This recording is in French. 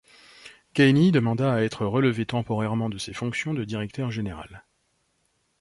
Gainey demanda à être relevé temporairement de ses fonctions de directeur-général.